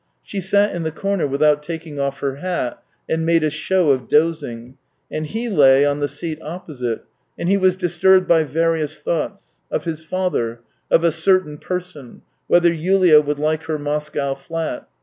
She sat in the corner without taking off her hat, and made a show of dozing, and he lay on the seat opposite, and he was disturbed by various thoughts — of his father, of " a certain person." and whether Yulia would like her Moscow fiat.